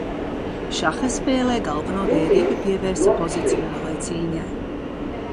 Šaha spēlē galveno vērību pievērsa pozicionālai cīņai.